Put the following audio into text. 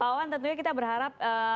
pak wawan tentunya kita berharap